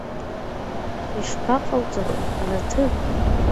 Ишԥаҟауҵари, Раҭын?